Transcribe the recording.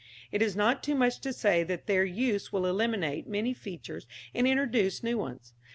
It is not too much to say that their use will eliminate many features and introduce new ones.